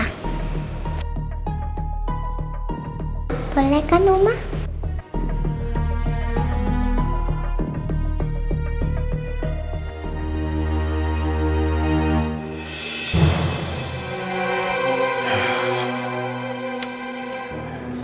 kenapa gue jadi marah marah sama anna